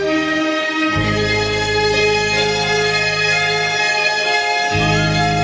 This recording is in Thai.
โอ้โห